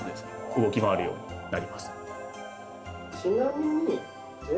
動き回るようになります。